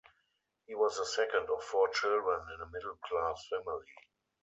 He was the second of four children in a middle-class family.